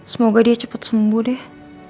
semoga dia cepat sembuh deh